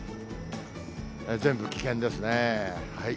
全部危険ですね。